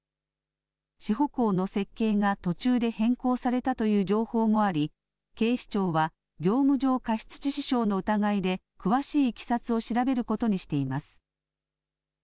支保工の設計が途中で変更されたという情報もあり警視庁は業務上過失致死傷の疑いで詳しいいきさつを調べることにしています。